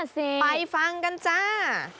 ไปฟังกันจ้า